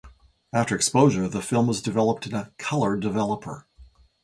After exposure, the film is developed in a "color developer".